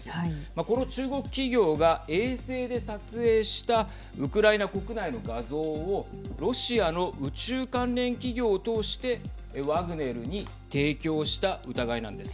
この中国企業が衛星で撮影したウクライナ国内の画像をロシアの宇宙関連企業を通してワグネルに提供した疑いなんです。